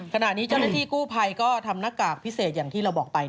ขณะนี้เจ้าหน้าที่กู้ภัยก็ทำหน้ากากพิเศษอย่างที่เราบอกไป